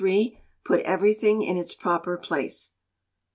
Put everything in its proper place.